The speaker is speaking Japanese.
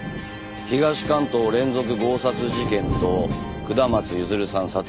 東関東連続強殺事件と下松譲さん殺害事件。